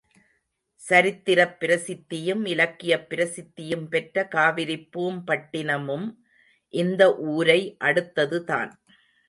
சரித்திரப் பிரசித்தியும், இலக்கியப் பிரசித்தியும் பெற்ற காவிரிப்பூம்பட்டினமும் இந்த ஊரை அடுத்ததுதான்.